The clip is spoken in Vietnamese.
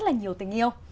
rất là nhiều tình yêu